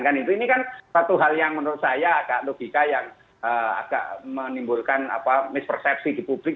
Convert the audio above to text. kan itu ini kan satu hal yang menurut saya agak logika yang agak menimbulkan mispersepsi di publik